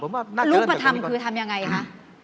รูปภัณฑ์คือทำอย่างไรคะ